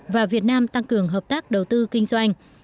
và việt nam tăng cường hợp tác đầu tư kinh doanh